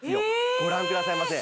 ご覧くださいませ。